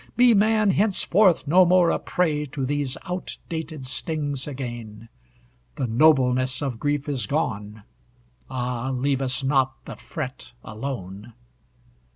Be man henceforth no more a prey To these out dated stings again! The nobleness of grief is gone Ah, leave us not the fret alone!